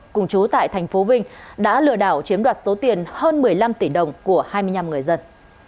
cùng chú tại thành phố vinh đã lừa đảo chiếm đoạt số tiền hơn một mươi năm tỷ đồng của hai mươi năm người dân